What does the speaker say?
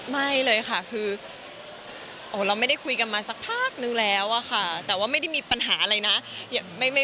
มันไม่ได้คุยกันมาสักพักนึงแล้วอ่ะค่ะแต่ว่าไม่ได้มีปัญหาอะไรนะ